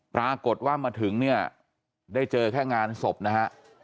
ปรากฏว่ามาถึงเนี่ยได้เจอแค่งานศพนะฮะ